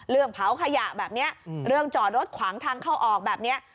เรื่องเผาขยะแบบนี้เรื่องจอดรถขวางทางเข้าออกแบบนี้